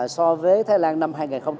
so với thái lan năm hai nghìn một mươi tám